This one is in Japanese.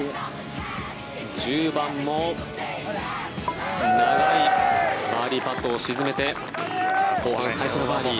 １０番も長いバーディーパットを沈めて後半、最初のバーディー。